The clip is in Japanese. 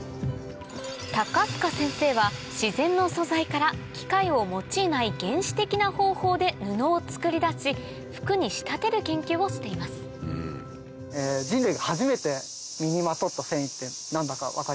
高須賀先生は自然の素材から機械を用いない原始的な方法で布を作りだし服に仕立てる研究をしていますえっ